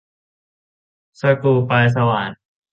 สกรูปลายสว่าน